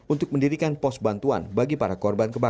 untuk mendirikan pos bantuan bagi para korban